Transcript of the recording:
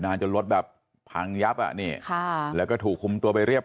จนรถแบบพังยับอ่ะนี่ค่ะแล้วก็ถูกคุมตัวไปเรียบ